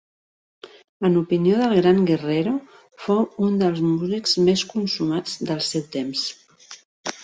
En opinió del gran Guerrero, fou un dels músics més consumats del seu temps.